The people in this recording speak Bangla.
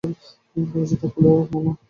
দরজাটা খুলো, মামা!